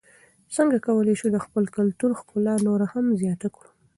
څنګه کولای سو د خپل کلتور ښکلا نوره هم زیاته کړو؟